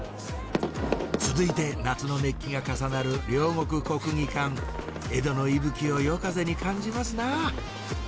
続いて夏の熱気が重なる両国国技館江戸の息吹を夜風に感じますな